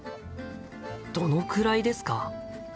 どのくらいですか？